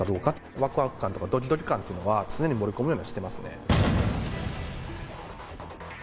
わくわく感とかどきどき感というのは、常に盛り込むようにしてますね。